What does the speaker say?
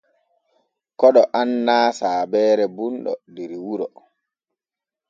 Koɗo annaa saabeere bunɗo der wuro.